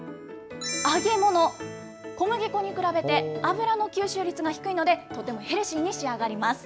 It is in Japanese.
揚げ物、小麦粉に比べて、油の吸収率が低いので、とてもヘルシーに仕上がります。